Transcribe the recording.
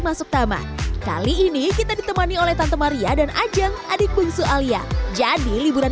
masuk taman kali ini kita ditemani oleh tante maria dan ajeng adik bungsu alia jadi liburan